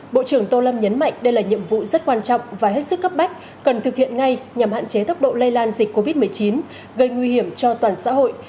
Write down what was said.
bộ trưởng tô lâm nhấn mạnh đây là nhiệm vụ rất quan trọng và hết sức cấp bách cần thực hiện ngay nhằm hạn chế tốc độ lây lan dịch covid một mươi chín gây nguy hiểm cho toàn xã hội